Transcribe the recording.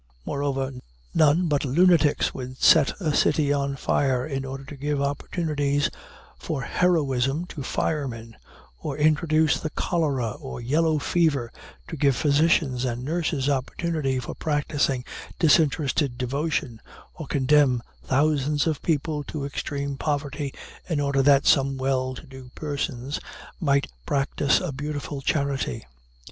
Moreover, none but lunatics would set a city on fire in order to give opportunities for heroism to firemen, or introduce the cholera or yellow fever to give physicians and nurses opportunity for practicing disinterested devotion, or condemn thousands of people to extreme poverty in order that some well to do persons might practice a beautiful charity.